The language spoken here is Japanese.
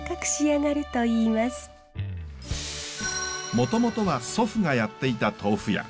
もともとは祖父がやっていた豆腐屋。